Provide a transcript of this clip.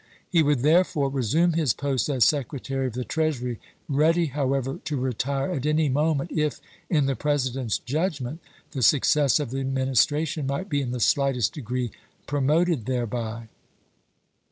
He would therefore resume his post as Secretary of the Treas ury, ready, however, to retire at any moment if, in the President's judgment, the success of the Administration might be in the shghtest degree promoted thereby.